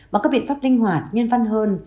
bằng các biện pháp linh hoạt nhân văn hơn